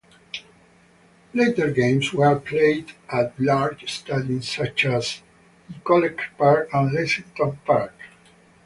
Later games were played at larger stadiums such as Nicollet Park and Lexington Park.